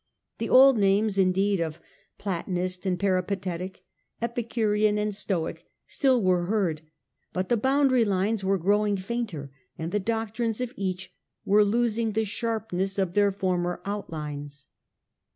The old names, indeed, of Platonist and Peripatetic, Epicurean and Stoic, still were heard ; but the boundary lines were growing fainter, and the doctrines of each were losing the sharpness of their former outlines.